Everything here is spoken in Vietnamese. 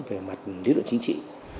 về mặt lý luận chính trị